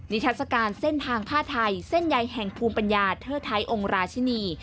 ทัศกาลเส้นทางผ้าไทยเส้นใยแห่งภูมิปัญญาเทิดไทยองค์ราชินี